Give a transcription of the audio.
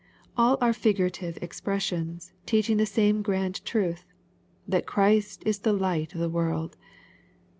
All are figurative expressions, teaching the same grand truth, that " Christ is the light of the world."